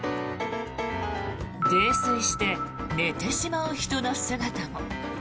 泥酔して寝てしまう人の姿も。